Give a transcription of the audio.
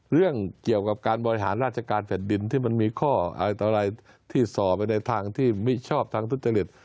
เรื่องเกี่ยวกับการบริหารราชการแผ่นดินที่มันมีข้ออะไรที่ส่อไปในทางที่มิชอบทางทุจริต